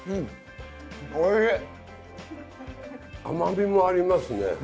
甘みもありますね。